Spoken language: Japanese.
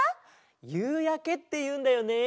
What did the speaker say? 「ゆうやけ」っていうんだよね。